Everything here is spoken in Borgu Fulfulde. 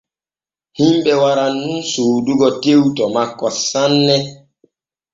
Himɓe waran nun soodugo tew to makko sanne.